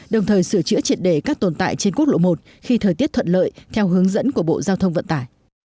đồng thời sửa chữa triệt đề các tồn tại trên quốc lộ một khi thời tiết thuận lợi theo hướng dẫn của bộ giao thông vận tải